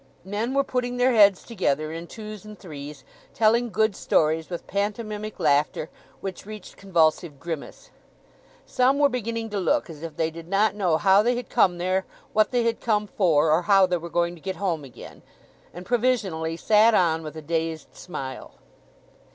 Men were putting their heads together in twos and threes, telling good stories, with pantomimic laughter which reached convulsive grimace. Some were beginning to look as if they did not know how they had come there, what they had come for, or how they were going to get home again; and provisionally sat on with a dazed smile.